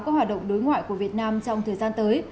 các hoạt động đối ngoại của việt nam trong thời gian tới